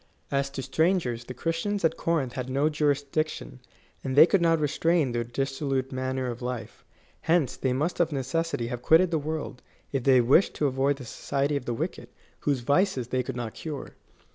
As to strangers, the Christians at Corinth had no jurisdiction, and they could not restrain their dissolute manner of life. Hence they must of necessity have quitted the world, if they wished to avoid the society of the wicked, whose vices they could not cure.